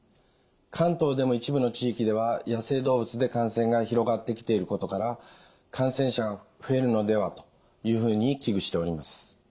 関東でも一部の地域では野生動物で感染が広がってきていることから感染者が増えるのではというふうに危惧しております。